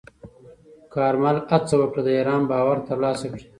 کارمل هڅه وکړه د ایران باور ترلاسه کړي.